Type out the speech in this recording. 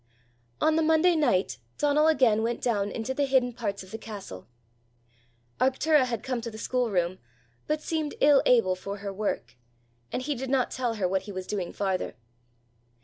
On the Monday night Donal again went down into the hidden parts of the castle. Arctura had come to the schoolroom, but seemed ill able for her work, and he did not tell her what he was doing farther.